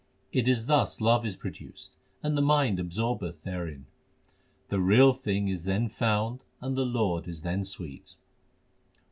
It is thus love is produced, and the mind absorbed therein. The real thing is then found and the Lord is then sweet.